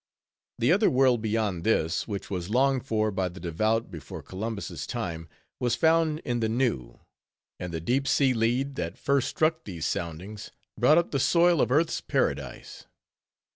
The other world beyond this, which was longed for by the devout before Columbus' time, was found in the New; and the deep sea lead, that first struck these soundings, brought up the soil of Earth's Paradise.